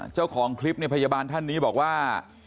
เจ้าของคลิปเนี่ยพยาบาลท่านนี้บอกว่า